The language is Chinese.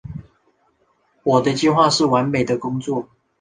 我的计划是完美的工作。